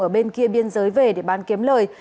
ở bên kia biên giới về để bán kiếm lời